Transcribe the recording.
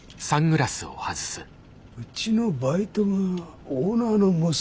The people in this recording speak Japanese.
うちのバイトがオーナーの娘と。